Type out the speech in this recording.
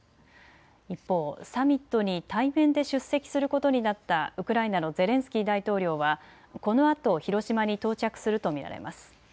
一方、サミットに対面で出席することになったウクライナのゼレンスキー大統領は、このあと広島に到着すると見られます。